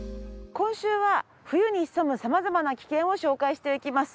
今週は冬に潜む様々な危険を紹介していきます。